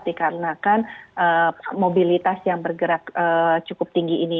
dikarenakan mobilitas yang bergerak cukup tinggi ini